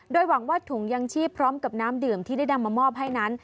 โดยหวังว่าถุงยังชีพพร้อมกับน้ำดื่มที่ได้นำมามอบให้นั้น